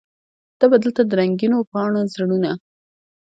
ته به دلته د رنګینو پاڼو زړونه